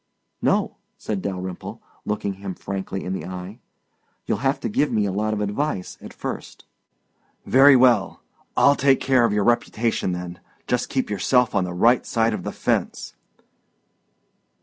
"No," said Dalyrimple, looking him frankly in the eye. "You'll have to give me a lot of advice at first." "Very well. I'll take care of your reputation then. Just keep yourself on the right side of the fence."